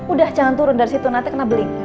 udah jangan turun dari situ nanti kena beli